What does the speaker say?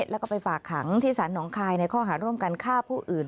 แล้วก็ไปฝากขังที่สารหนองคายในข้อหาร่วมกันฆ่าผู้อื่น